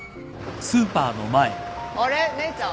あれっ姉ちゃん？